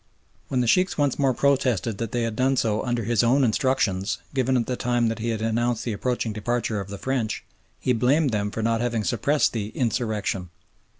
When the Sheikhs once more protested that they had done so under his own instructions, given at the time that he had announced the approaching departure of the French, he blamed them for not having suppressed the "insurrection."